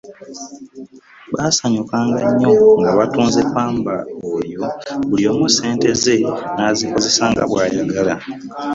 Baasanyukanga nnyo nga batunze pamba oyo buli omu sente ze n'azikozesa nga bwayagala.